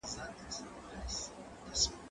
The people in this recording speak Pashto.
زه به کتابونه ليکلي وي!؟